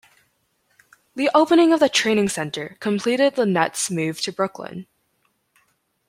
The opening of the training center completed the Nets' move to Brooklyn.